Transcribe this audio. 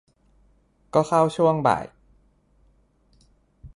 ก็เข้าช่วงบ่าย